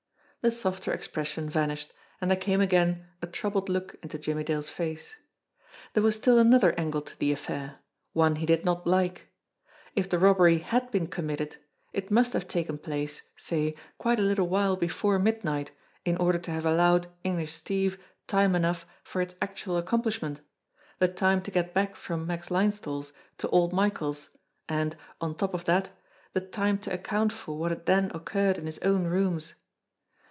The softer expression vanished, and there came again a troubled look into Jimmie Dale's face. There was still an other angle to the affair, one he did not like. If the robbery had been committed, it must have taken place, say, quite a little while before midnight in order to have allowed English Steve time enough for its actual accomplishment, the time to get back from Max Linesthal's to old Michael's, and, on top of that, the time to account for what had then occurred in his own rooms.